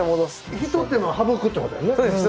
ひと手間省くってことやね。